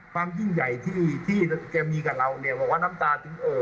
ความยิ่งใหญ่ที่แกมีกับเรา